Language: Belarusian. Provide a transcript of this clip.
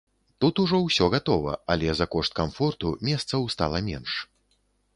Тут ужо ўсё гатова, але за кошт камфорту месцаў стала менш.